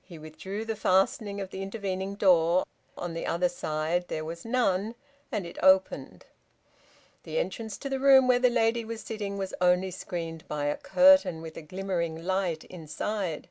He withdrew the fastening of the intervening door, on the other side there was none, and it opened. The entrance to the room where the lady was sitting was only screened by a curtain, with a glimmering light inside.